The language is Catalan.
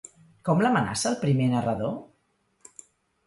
Com l'amenaça el primer narrador?